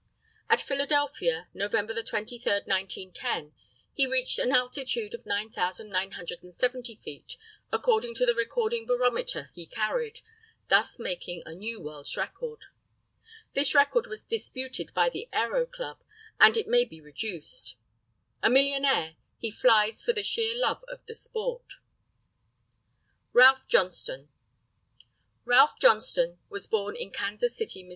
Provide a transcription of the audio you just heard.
At Philadelphia, November 23, 1910, he reached an altitude of 9,970 feet, according to the recording barometer he carried, thus making a new world's record. This record was disputed by the Aero Club, and it may be reduced. A millionaire, he flies for sheer love of the sport. RALPH JOHNSTONE. RALPH JOHNSTONE was born in Kansas City, Mo.